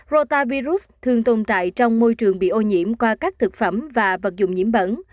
rotavirus thường tồn tại trong môi trường bị ô nhiễm qua các thực phẩm và vật dụng nhiễm bẩn